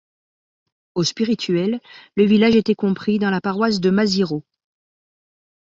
Au spirituel, le village était compris dans la paroisse de Mazirot.